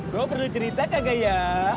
gue perlu cerita gak ya